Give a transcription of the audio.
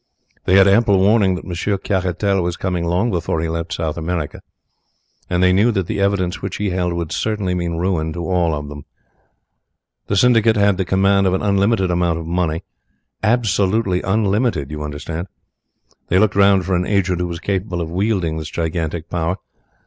They had ample warning that Monsieur Caratal was coming long before he left South America, and they knew that the evidence which he held would certainly mean ruin to all of them. The syndicate had the command of an unlimited amount of money absolutely unlimited, you understand. They looked round for an agent who was capable of wielding this gigantic power.